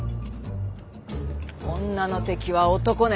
女の敵は男ね。